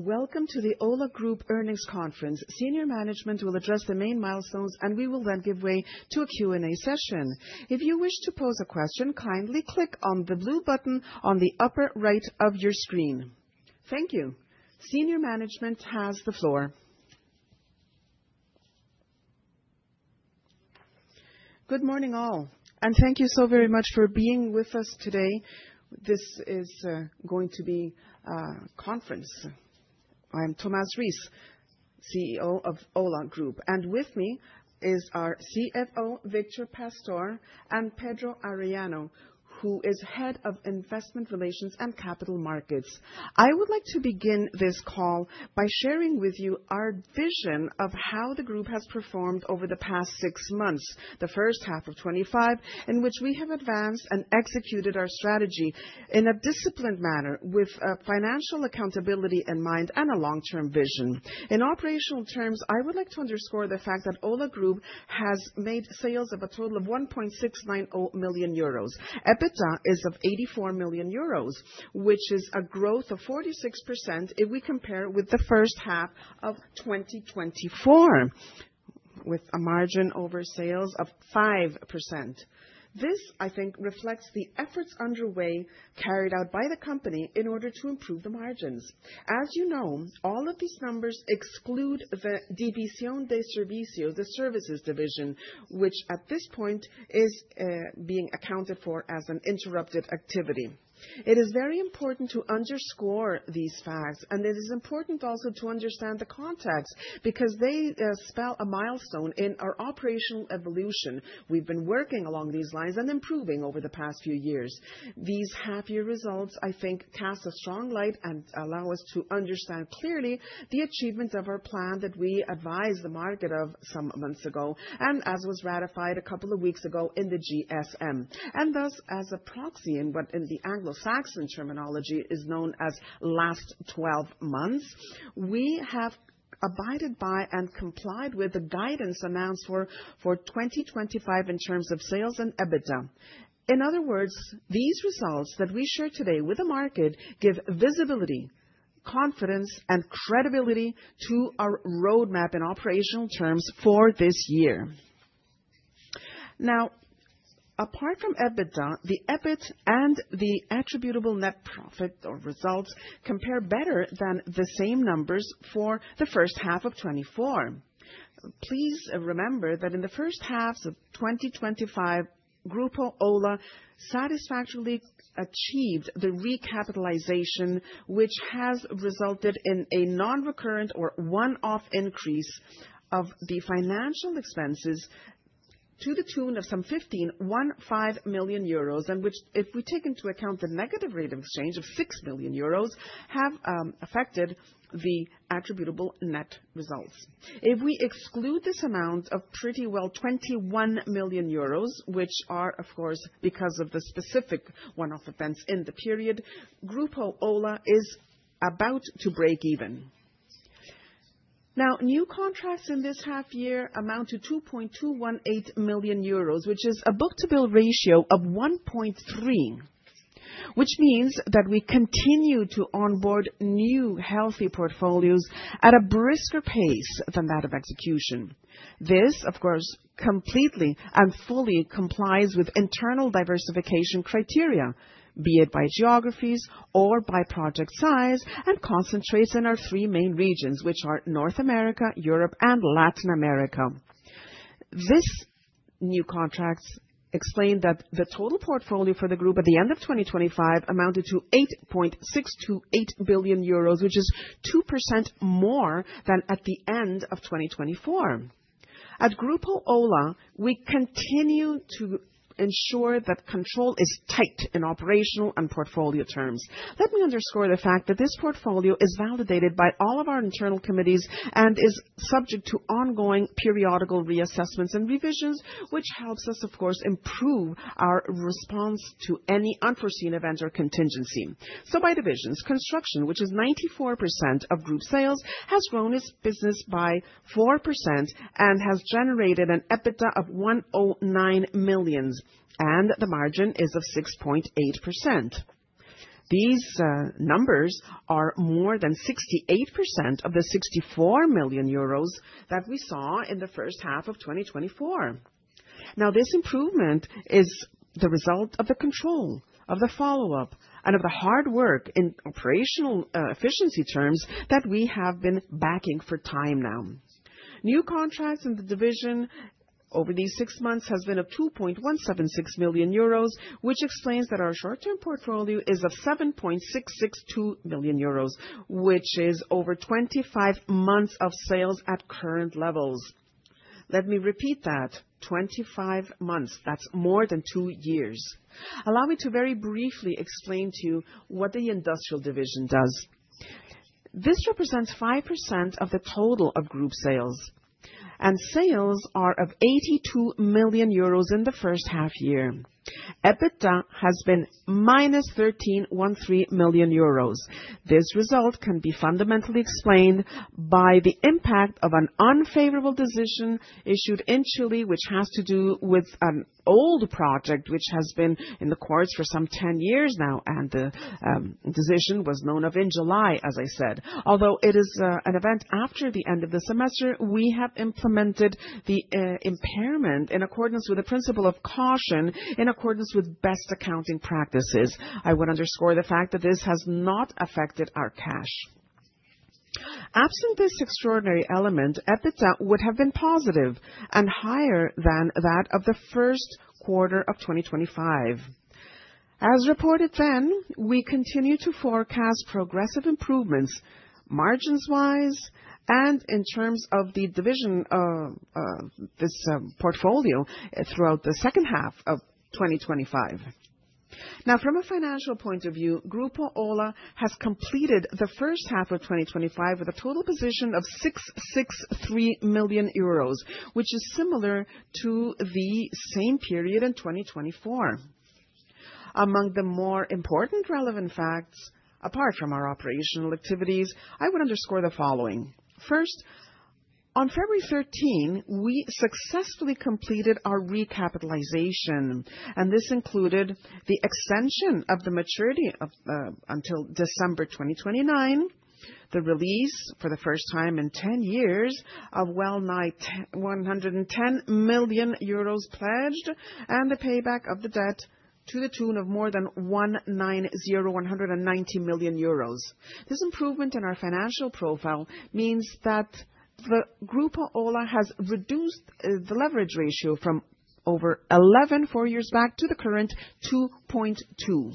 Welcome to the OHLA Group Earnings Conference. Senior management will address the main milestones, and we will then give way to a Q&A session. If you wish to pose a question, kindly click on the blue button on the upper right of your screen. Thank you. Senior management has the floor. Good morning all, and thank you so very much for being with us today. This is going to be a conference. I am Tomás Ruiz, CEO of OHLA, and with me is our CFO, Víctor Pastor, and Pedro Arellano, who is Head of Investor Relations and Capital Markets. I would like to begin this call by sharing with you our vision of how the group has performed over the past six months, the first half of 2025, in which we have advanced and executed our strategy in a disciplined manner with financial accountability in mind and a long-term vision. In operational terms, I would like to underscore the fact that OHLA has made sales of a total of EURO 1.690 million. EBITDA is EURO 84 million, which is a growth of 46% if we compare with the first half of 2024, with a margin over sales of 5%. This, I think, reflects the efforts underway carried out by the company in order to improve the margins. As you know, all of these numbers exclude the services division, which at this point is being accounted for as an interrupted activity. It is very important to underscore these facts, and it is important also to understand the context because they spell a milestone in our operational evolution. We've been working along these lines and improving over the past few years. These half-year results, I think, cast a strong light and allow us to understand clearly the achievements of our plan that we advised the market of some months ago as was ratified a couple of weeks ago in the GSM. Thus, as a proxy in what in the Anglo-Saxon terminology is known as last 12 months, we have abided by and complied with the guidance announced for 2025 in terms of sales and EBITDA. In other words, these results that we share today with the market give visibility, confidence, and credibility to our roadmap in operational terms for this year. Now, apart from EBITDA, the EBIT and the attributable net profit or results compare better than the same numbers for the first half of 2024. Please remember that in the first half of 2025, OHLA satisfactorily achieved the recapitalization, which has resulted in a non-recurrent or one-off increase of the financial expenses to the tune of about EURO 15 million, and which, if we take into account the negative rate of exchange of EURO 6 million, have affected the attributable net results. If we exclude this amount of pretty well EURO 21 million, which are, of course, because of the specific one-off events in the period, OHLA is about to break even. Now, new contracts in this half-year amount to EURO 2.218 million, which is a book-to-bill ratio of 1.3, which means that we continue to onboard new healthy portfolios at a brisker pace than that of execution. This, of course, completely and fully complies with internal diversification criteria, be it by geographies or by project size, and concentrates in our three main regions, which are North America, Europe, and Latin America. These new contracts explain that the total portfolio for the group at the end of 2025 amounted to EURO 8.628 billion, which is 2% more than at the end of 2024. At OHLA, we continue to ensure that control is tight in operational and portfolio terms. Let me underscore the fact that this portfolio is validated by all of our internal committees and is subject to ongoing periodical reassessments and revisions, which helps us, of course, improve our response to any unforeseen events or contingency. By divisions, construction, which is 94% of group sales, has grown its business by 4% and has generated an EBITDA of EURO 109 million, and the margin is 6.8%. These numbers are more than 68% of the EURO 64 million that we saw in the first half of 2024. This improvement is the result of the control, of the follow-up, and of the hard work in operational efficiency terms that we have been backing for time now. New contracts in the division over these six months have been EURO 2.176 million, which explains that our short-term portfolio is EURO 7.662 million, which is over 25 months of sales at current levels. Let me repeat that. 25 months. That's more than two years. Allow me to very briefly explain to you what the industrial division does. This represents 5% of the total of group sales, and sales are EURO 82 million in the first half-year. EBITDA has been EURO -13 million. This result can be fundamentally explained by the impact of an unfavorable decision issued in Chile, which has to do with an old project which has been in the course for some 10 years now, and the decision was known of in July, as I said. Although it is an event after the end of the semester, we have implemented the impairment in accordance with the principle of caution, in accordance with best accounting practices. I would underscore the fact that this has not affected our cash. Absolutely, this extraordinary element, EBITDA would have been positive and higher than that of the first quarter of 2025. As reported then, we continue to forecast progressive improvements margins-wise and in terms of the division of this portfolio throughout the second half of 2025. Now, from a financial point of view, OHLA has completed the first half of 2025 with a total position of EURO 663 million, which is similar to the same period in 2024. Among the more important relevant facts, apart from our operational activities, I would underscore the following. First, on February 13, we successfully completed our recapitalization, and this included the extension of the maturity until December 2029, the release for the first time in 10 years of EURO 110 million pledged, and the payback of the debt to the tune of more than EURO 190 million. This improvement in our financial profile means that OHLA has reduced the leverage ratio from over 11 four years back to the current 2.2.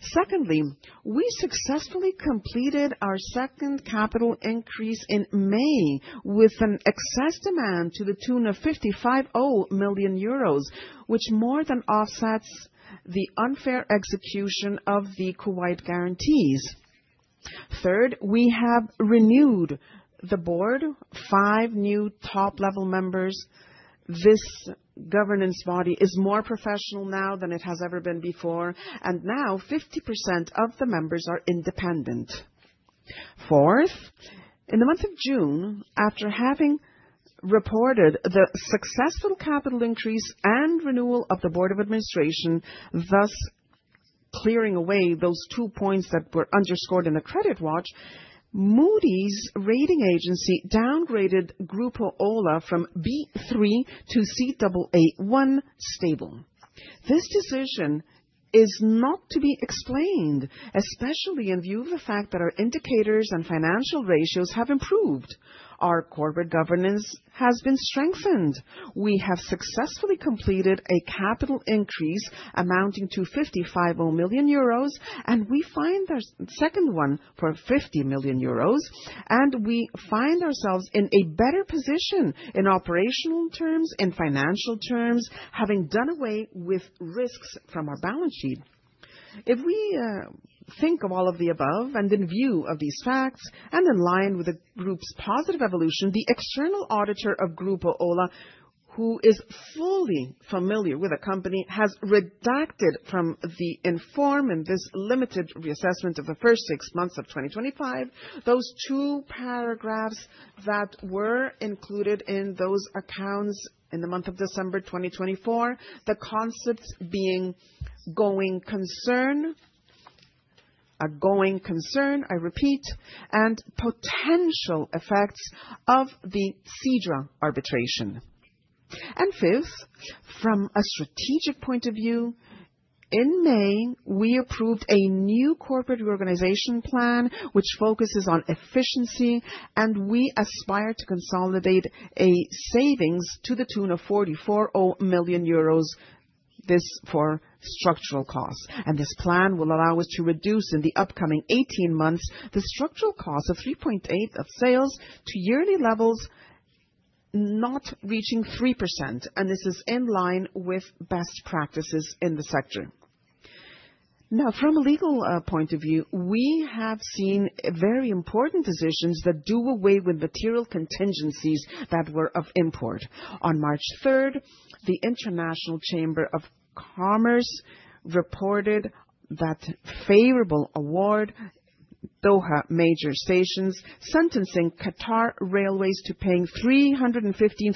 Secondly, we successfully completed our second capital increase in May with an excess demand to the tune of EURO 550 million, which more than offsets the unfair execution of the Kuwait guarantees. Third, we have renewed the board, five new top-level members. This governance body is more professional now than it has ever been before, and now 50% of the members are independent. Fourth, in the month of June, after having reported the successful capital increase and renewal of the board of administration, thus clearing away those two points that were underscored in the credit watch, Moody’s rating agency downgraded OHLA from B3 to Caa1 stable. This decision is not to be explained, especially in view of the fact that our indicators and financial ratios have improved. Our corporate governance has been strengthened. We have successfully completed a capital increase amounting to EURO 550 million, and we find our second one for EURO 50 million, and we find ourselves in a better position in operational terms, in financial terms, having done away with risks from our balance sheet. If we think of all of the above, and in view of these facts, and in line with the group's positive evolution, the external auditor of OHLA, who is fully familiar with the company, has redacted from the inform and this limited reassessment of the first six months of 2025, those two paragraphs that were included in those accounts in the month of December 2024, the concepts being going concern, a going concern, I repeat, and potential effects of the Sidra arbitration. Fifth, from a strategic point of view, in May, we approved a new corporate reorganization plan, which focuses on efficiency, and we aspire to consolidate savings to the tune of EURO 440 million, this for structural costs. This plan will allow us to reduce in the upcoming 18 months the structural cost of 3.8% of sale to yearly levels not reaching 3%, and this is in line with best practices in the sector. Now, from a legal point of view, we have seen very important decisions that do away with material contingencies that were of import. On March 3, the International Chamber of Commerce reported that favorable award Doha metro stations sentencing Qatar Rail to paying EURO 315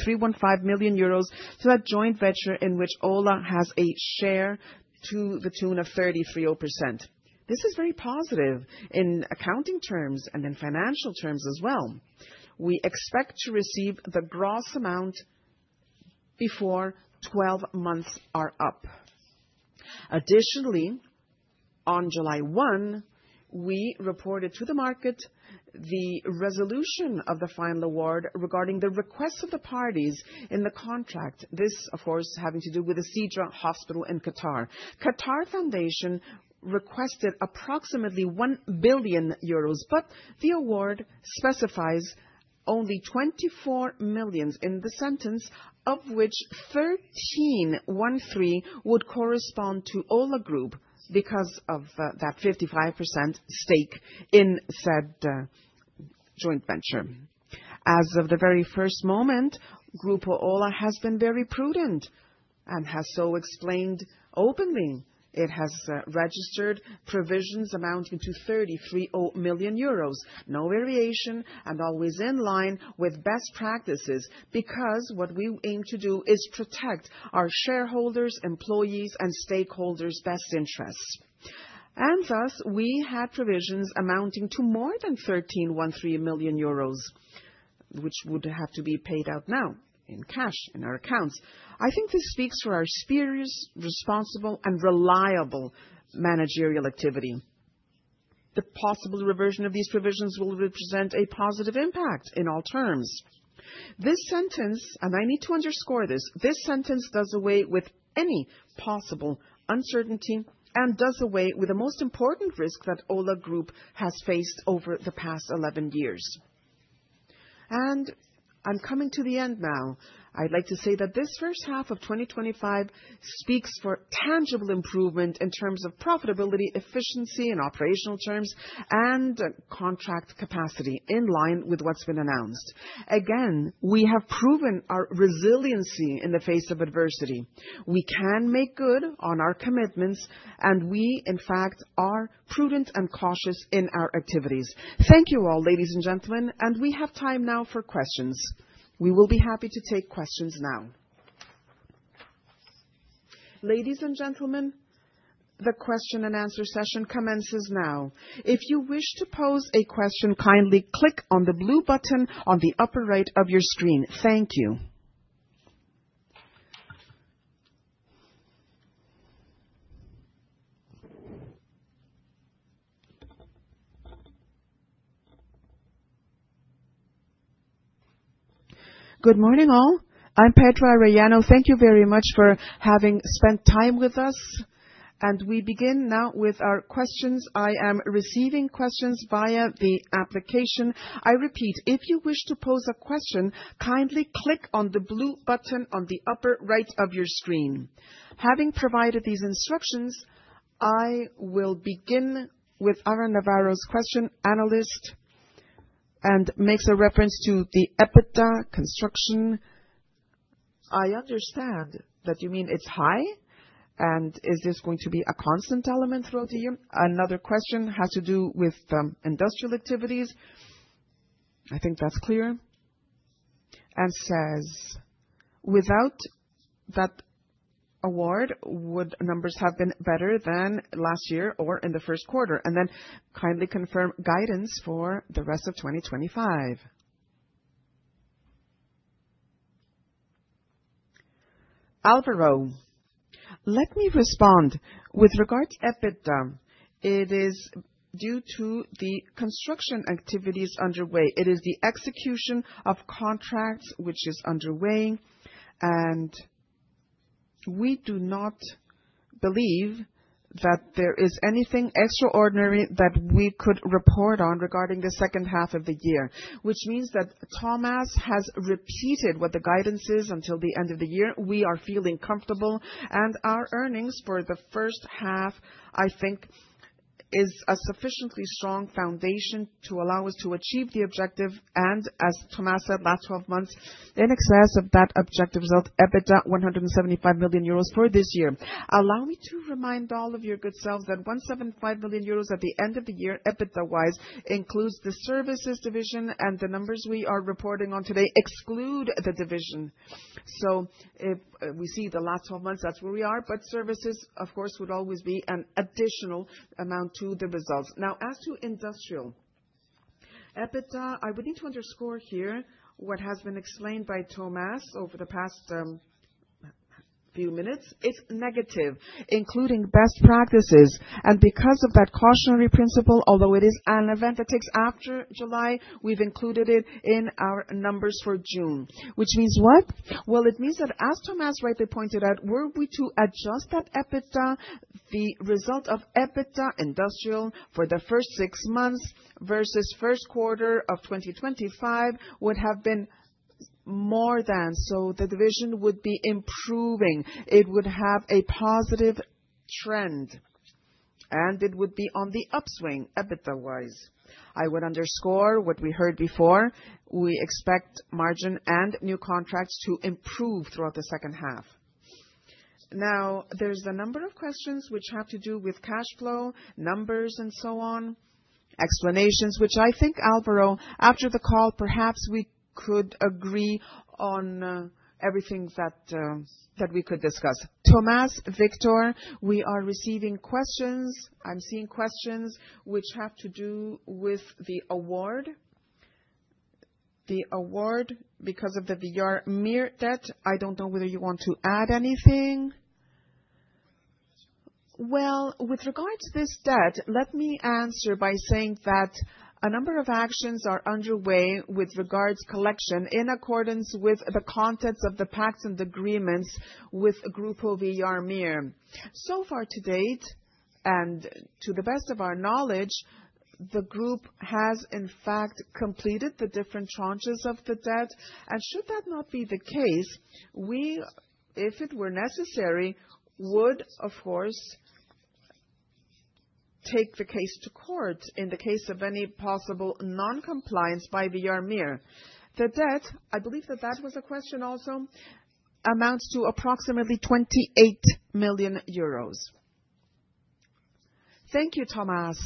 million to that joint venture OHLA has a share to the tune of 33.0%. This is very positive in accounting terms and in financial terms as well. We expect to receive the gross amount before 12 months are up. Additionally, on July 1, we reported to the market the resolution of the final award regarding the requests of the parties in the contract. This, of course, having to do with the Sidra Hospital in Qatar. Qatar Foundation requested approximately EURO 1 billion, but the award specifies only EURO 24 million in the sentence, of which EURO 13.13 million would correspond to OHLA because of that 55% stake in said joint venture. As of the very first moment, OHLA has been very prudent and has so explained openly. It has registered provisions amounting to EURO 33.0 million, no variation, and always in line with best practices because what we aim to do is protect our shareholders, employees, and stakeholders' best interests. Thus, we had provisions amounting to more than EURO 13.13 million, which would have to be paid out now in cash in our accounts. I think this speaks to our spirit of responsible and reliable managerial activity. The possible reversion of these provisions will represent a positive impact in all terms. This sentence, and I need to underscore this, this sentence does away with any possible uncertainty and does away with the most important risk that OHLA has faced over the past 11 years. I am coming to the end now. I'd like to say that this first half of 2025 speaks for tangible improvement in terms of profitability, efficiency, and operational terms, and contract capacity in line with what's been announced. Again, we have proven our resiliency in the face of adversity. We can make good on our commitments, and we, in fact, are prudent and cautious in our activities. Thank you all, ladies and gentlemen, and we have time now for questions. We will be happy to take questions now. Ladies and gentlemen, the question and answer session commences now. If you wish to pose a question, kindly click on the blue button on the upper right of your screen. Thank you. Good morning all. I'm Pedro Arellano. Thank you very much for having spent time with us. We begin now with our questions. I am receiving questions via the application. I repeat, if you wish to pose a question, kindly click on the blue button on the upper right of your screen. Having provided these instructions, I will begin with Aaron Navarro's question, analyst, and makes a reference to the EBITDA construction. I understand that you mean it's high, and is this going to be a constant element throughout the year? Another question has to do with industrial activities. I think that's clear. And says, "Without that award, would numbers have been better than last year or in the first quarter?" Kindly confirm guidance for the rest of 2025. Álvaro, let me respond with regard to EBITDA. It is due to the construction activities underway. It is the execution of contracts which is underway, and we do not believe that there is anything extraordinary that we could report on regarding the second half of the year, which means that Tomás Ruiz has repeated what the guidance is until the end of the year. We are feeling comfortable, and our earnings for the first half, I think, is a sufficiently strong foundation to allow us to achieve the objective and, as Tomás Ruiz said, last 12 months, in excess of that objective result, EBITDA EURO 175 million for this year. Allow me to remind all of your good self that EURO 175 million at the end of the year, EBITDA-wise, includes the services division, and the numbers we are reporting on today exclude the division. If we see the last 12 months, that's where we are, but services, of course, would always be an additional amount to the results. Now, as to industrial, EBITDA, I would need to underscore here what has been explained by Tomás Ruiz over the past few minutes. It's negative, including best practices. Because of that cautionary principle, although it is an event that takes after July, we've included it in our numbers for June, which means what? It means that, as Tomás Ruiz rightly pointed out, were we to adjust that EBITDA, the result of EBITDA industrial for the first six months versus first quarter of 2025 would have been more than, so the division would be improving. It would have a positive trend, and it would be on the upswing EBITDA-wise. I would underscore what we heard before. We expect margin and new contracts to improve throughout the second half. Now, there's a number of questions which have to do with cash flow, numbers, and so on, explanations, which I think, Álvaro, after the call, perhaps we could agree on everything that we could discuss. Tomás Ruiz, Víctor Pastor, we are receiving questions. I'm seeing questions which have to do with the award. The award, because of the Villar Mir debt, I don't know whether you want to add anything. With regard to this debt, let me answer by saying that a number of actions are underway with regards to collection in accordance with the context of the pacts and agreements with Grupo Villar Mir. So far to date, and to the best of our knowledge, the group has, in fact, completed the different tranches of the debt. Should that not be the case, we, if it were necessary, would, of course, take the case to court in the case of any possible non-compliance by Villar Mir. The debt, I believe that that was a question also, amounts to approximately EURO 28 million. Thank you, Tomás Ruiz.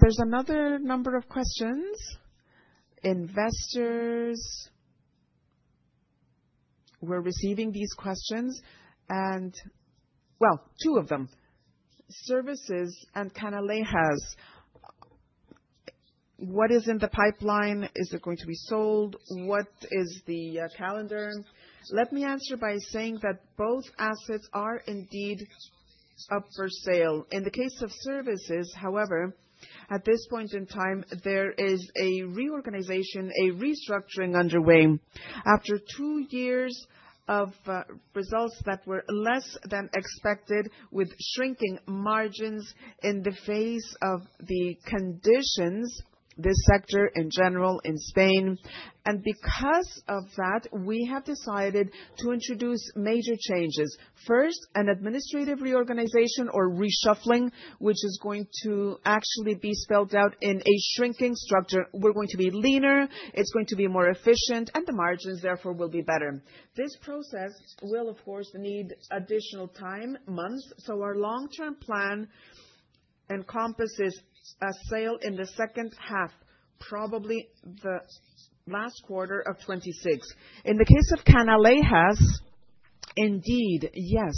There's another number of questions. Investors were receiving these questions, and two of them. Services and Canalejas. What is in the pipeline? Is it going to be sold? What is the calendar? Let me answer by saying that both assets are indeed up for sale. In the case of services, however, at this point in time, there is a reorganization, a restructuring underway. After two years of results that were less than expected, with shrinking margins in the face of the conditions, this sector in general in Spain, and because of that, we have decided to introduce major changes. First, an administrative reorganization or reshuffling, which is going to actually be spelled out in a shrinking structure. We are going to be leaner. It is going to be more efficient, and the margins, therefore, will be better. This process will, of course, need additional time, months, so our long-term plan encompasses a sale in the second half, probably the last quarter of 2026. In the case of Canalejas, indeed, yes,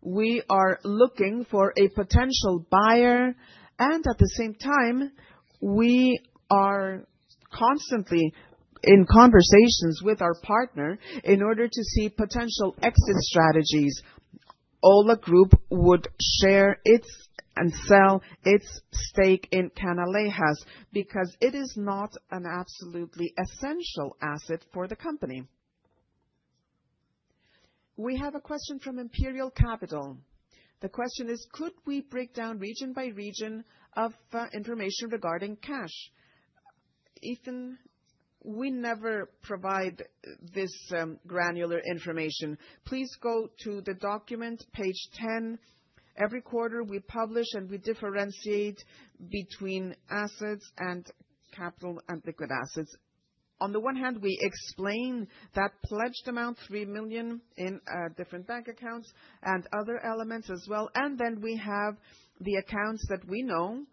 we are looking for a potential buyer, and at the same time, we are constantly in conversations with our partner in order to see potential exit strategies. OHLA would share its and sell its stake in Canalejas because it is not an absolutely essential asset for the company. We have a question from Imperial Capital. The question is, could we break down region by region of information regarding cash? Ethan, we never provide this granular information. Please go to the documents, page 10. Every quarter, we publish and we differentiate between assets and capital and liquid assets. On the one hand, we explain that pledged amount, EURO 3 million in different bank accounts and other elements as well, and then we have the accounts that we know,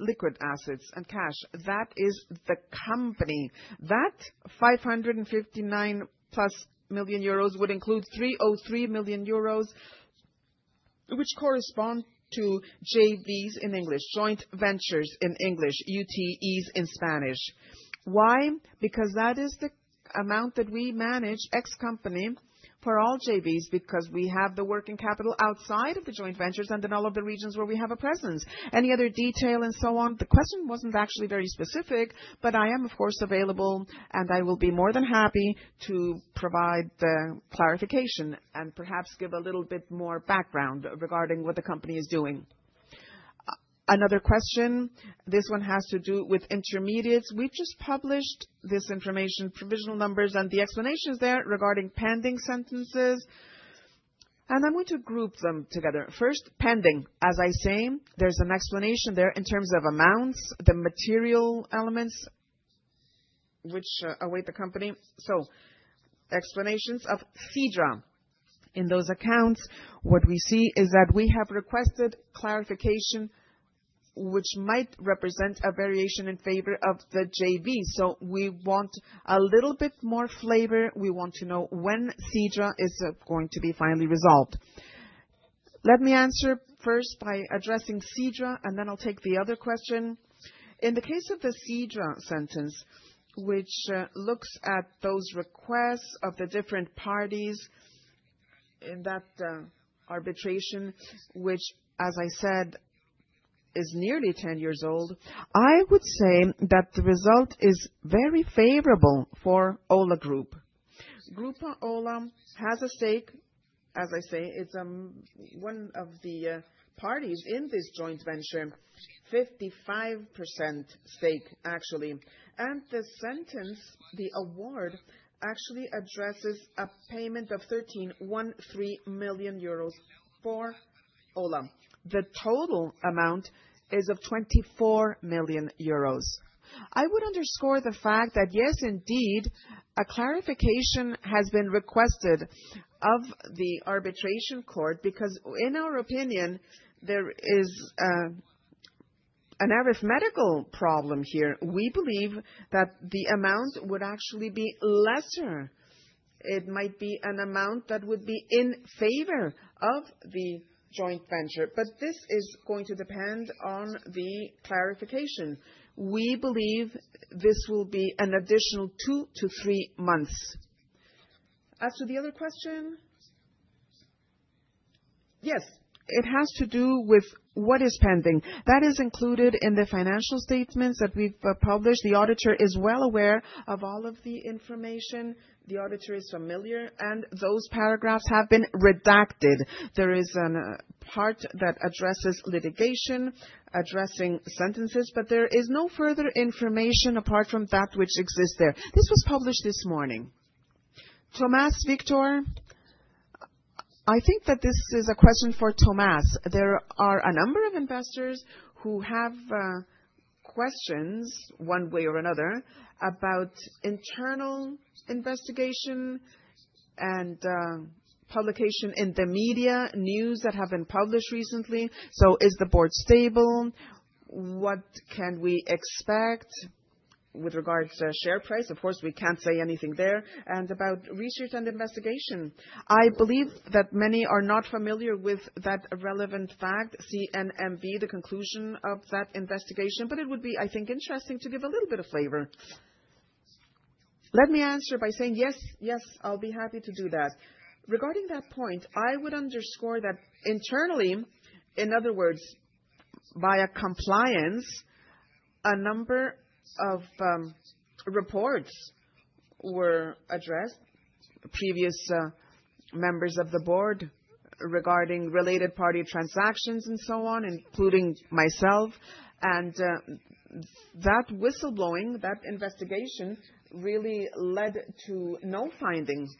liquid assets and cash. That is the company. That EURO 559+ million would include EURO 303 million, which correspond to JVs in English, joint ventures in English, UTEs in Spanish. Why? Because that is the amount that we manage ex-company for all JVs because we have the working capital outside of the joint ventures and in all of the regions where we have a presence. Any other detail and so on? The question was not actually very specific, but I am, of course, available, and I will be more than happy to provide the clarification and perhaps give a little bit more background regarding what the company is doing. Another question. This one has to do with intermediates. We just published this information, provisional numbers, and the explanations there regarding pending sentences. I am going to group them together. First, pending. As I say, there's an explanation there in terms of amounts, the material elements which await the company. Explanations of Sidra. In those accounts, what we see is that we have requested clarification, which might represent a variation in favor of the JV. We want a little bit more flavor. We want to know when Sidra is going to be finally resolved. Let me answer first by addressing Sidra, and then I'll take the other question. In the case of the Sidra sentence, which looks at those requests of the different parties in that arbitration, which, as I said, is nearly 10 years old, I would say that the result is very OHLA has a stake, as I say, it's one of the parties in this joint venture, 55% stake, actually. The sentence, the award, actually addresses a payment of EURO 13 million for OHLA. The total amount is EURO 24 million. I would underscore the fact that, yes, indeed, a clarification has been requested of the arbitration court because, in our opinion, there is an arithmetical problem here. We believe that the amount would actually be lesser. It might be an amount that would be in favor of the joint venture. This is going to depend on the clarification. We believe this will be an additional two to three months. As to the other question, yes, it has to do with what is pending. That is included in the financial statements that we've published. The auditor is well aware of all of the information. The auditor is familiar, and those paragraphs have been redacted. There is a part that addresses litigation, addressing sentences, but there is no further information apart from that which exists there. This was published this morning. Tomás Ruiz, Víctor Pastor, I think that this is a question for Tomás Ruiz. There are a number of investors who have questions, one way or another, about internal investigation and publication in the media, news that have been published recently. Is the board stable? What can we expect with regards to share price? Of course, we can't say anything there. About research and investigation, I believe that many are not familiar with that relevant fact, CNMV, the conclusion of that investigation, but it would be, I think, interesting to give a little bit of flavor. Let me answer by saying, yes, yes, I'll be happy to do that. Regarding that point, I would underscore that internally, in other words, via compliance, a number of reports were addressed by previous members of the board regarding related party transactions and so on, including myself. That whistleblowing, that investigation really led to no findings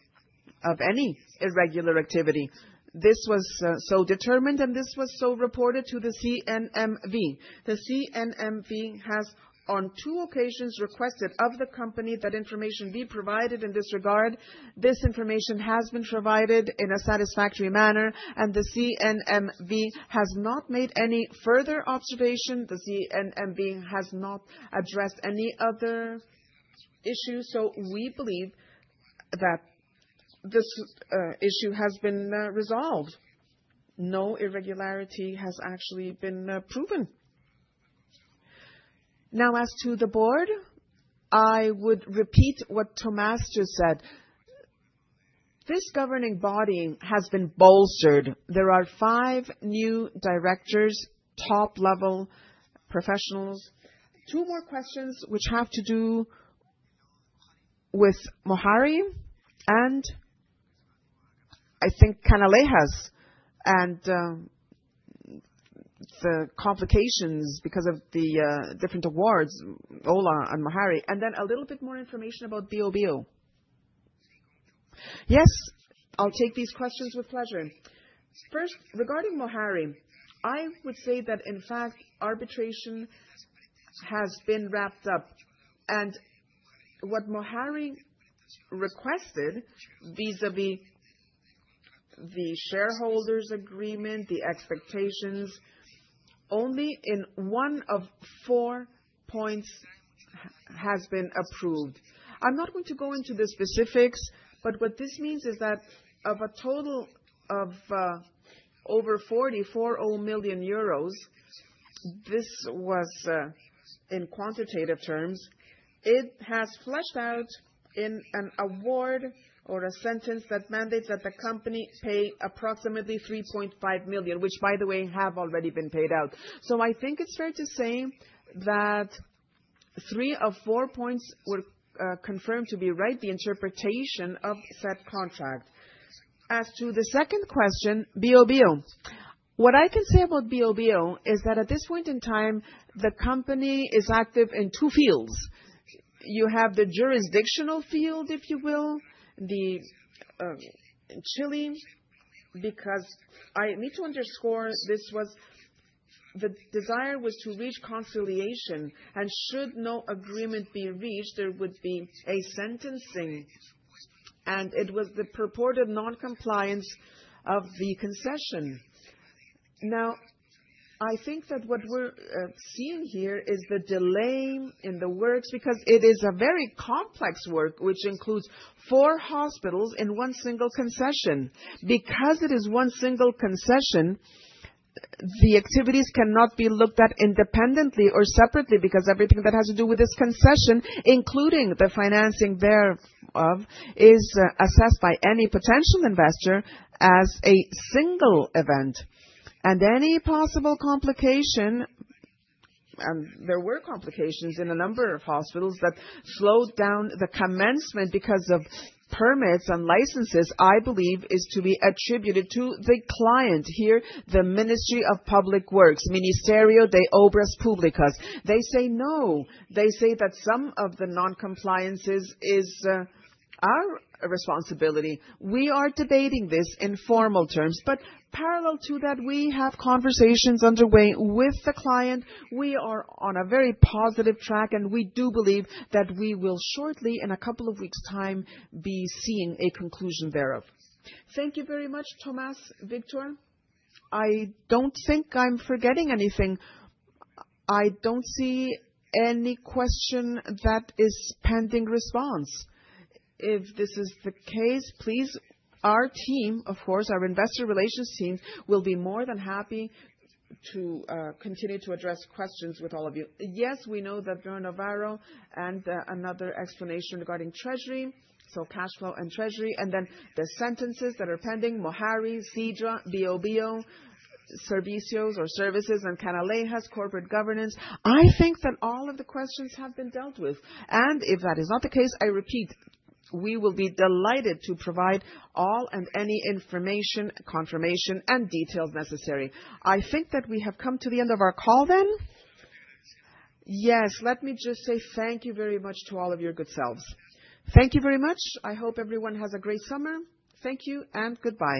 of any irregular activity. This was so determined, and this was so reported to the CNMV. The CNMV has, on two occasions, requested of the company that information be provided in this regard. This information has been provided in a satisfactory manner, and the CNMV has not made any further observation. The CNMV has not addressed any other issues. We believe that this issue has been resolved. No irregularity has actually been proven. Now, as to the board, I would repeat what Tomás Ruiz just said. This governing body has been bolstered. There are five new directors, top-level professionals. Two more questions, which have to do with Mohari and, I think, Canalejas and the complications because of the different awards, OHLA and Mohari. Then a little bit more information about Biobío. Yes, I'll take these questions with pleasure. First, regarding Mohari, I would say that, in fact, arbitration has been wrapped up. What Mohari requested vis-à-vis the shareholders' agreement, the expectations, only in one of four points has been approved. I'm not going to go into the specifics, but what this means is that of a total of over EURO 440 million, this was in quantitative terms. It has fleshed out in an award or a sentence that mandates that the company pay approximately EURO 3.5 million, which, by the way, have already been paid out. I think it's fair to say that three of four points were confirmed to be right, the interpretation of said contract. As to the second question, Biobío, what I can say about Biobío is that at this point in time, the company is active in two fields. You have the jurisdictional field, if you will, in Chile, because I need to underscore this was the desire was to reach conciliation. Should no agreement be reached, there would be a sentencing. It was the purported non-compliance of the concession. I think that what we're seeing here is the delay in the works because it is a very complex work, which includes four hospitals in one single concession. Because it is one single concession, the activities cannot be looked at independently or separately because everything that has to do with this concession, including the financing thereof, is assessed by any potential investor as a single event. Any possible complication, and there were complications in a number of hospitals that slowed down the commencement because of permits and licenses, I believe, is to be attributed to the client here, the Ministry of Public Works, Ministerio de Obras Públicas. They say no. They say that some of the non-compliances are a responsibility. We are debating this in formal terms. Parallel to that, we have conversations underway with the client. We are on a very positive track, and we do believe that we will shortly, in a couple of weeks' time, be seeing a conclusion thereof. Thank you very much, Tomás Ruiz, Víctor Pastor. I don't think I'm forgetting anything. I don't see any question that is pending response. If this is the case, please, our team, of course, our investor relations team, will be more than happy to continue to address questions with all of you. Yes, we know that Aaron Navarro and another explanation regarding treasury, so cash flow and treasury, and then the sentences that are pending, Mohari, Sidra Hospital, Biobío, Services, and Canalejas, corporate governance. I think that all of the questions have been dealt with. If that is not the case, I repeat, we will be delighted to provide all and any information, confirmation, and details necessary. I think that we have come to the end of our call then. Let me just say thank you very much to all of your good selves. Thank you very much. I hope everyone has a great summer. Thank you and goodbye.